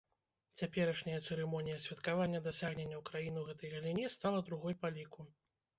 Цяперашняя цырымонія святкавання дасягненняў краін у гэтай галіне стала другой па ліку.